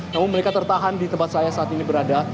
namun mereka tertahan di tempat saya saat ini berada